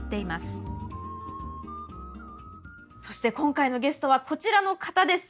そして今回のゲストはこちらの方です！